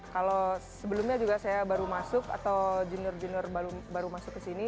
kalau sebelumnya juga saya baru masuk atau junior junior baru masuk ke sini